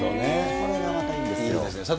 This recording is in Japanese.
これがまたいいんですよね。